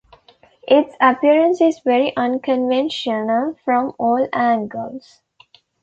Its appearance is very unconventional from all angles.